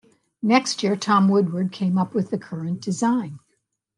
The next year, Tom Woodward came up with the current design.